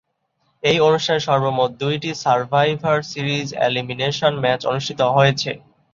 এই অনুষ্ঠানে সর্বমোট দুইটি সার্ভাইভার সিরিজ এলিমিনেশন ম্যাচ অনুষ্ঠিত হয়েছে।